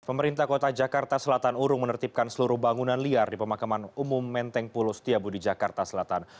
pemerintah kota jakarta selatan urung menertibkan seluruh bangunan liar di pemakaman umum menteng pulo setiabu di jakarta selatan